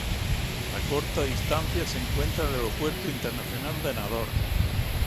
A corta distancia se encuentra el Aeropuerto Internacional de Nador.